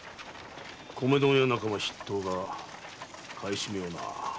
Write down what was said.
米問屋仲間筆頭が買い占めをな。